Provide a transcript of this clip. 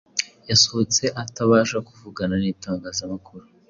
yasohotse atabasha kuvugana n’itangazamakuru